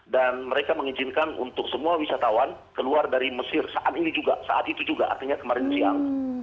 mereka mengizinkan untuk semua wisatawan keluar dari mesir saat ini juga saat itu juga artinya kemarin siang